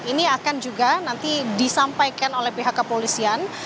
ini akan juga nanti disampaikan oleh pihak kepolisian